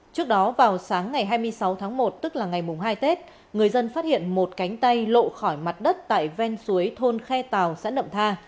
trước đó vào sáng ngày hai mươi sáu tháng một tức là ngày hai tết người dân phát hiện một cánh tay lộ khỏi mặt đất tại ven suối thôn khe tàu xã nậm tha